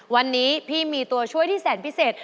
วันนี้พี่มีตัวช่วยที่แสนพิเศษ